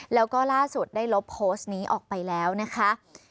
แล้วก็ล่าสุดได้ลบโพสต์นี้ออกไปแล้วนะคะ